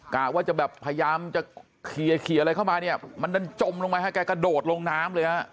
กะว่าจะแบบพยายามจะเคลียร์อะไรเข้ามาเนี่ยมันดันจมลงไปฮะแกกระโดดลงน้ำเลยฮะ